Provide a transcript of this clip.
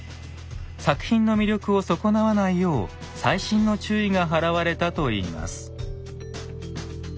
作品の魅力を損なわないよう細心の注意が払われたといいます。